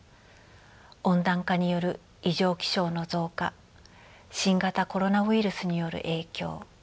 温暖化による異常気象の増加新型コロナウイルスによる影響